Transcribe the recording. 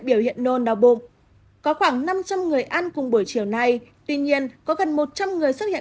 biểu hiện nôn đau bụng có khoảng năm trăm linh người ăn cùng buổi chiều nay tuy nhiên có gần một trăm linh người xuất hiện